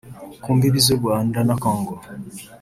ku mbibi z’u Rwanda na Kongo